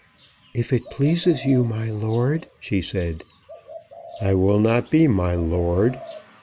"If it pleases you, my lord," she said. "I will not be 'my lord.'